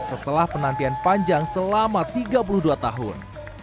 setelah penantian panjang selama tiga puluh dua tahun